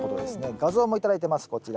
画像も頂いてますこちら。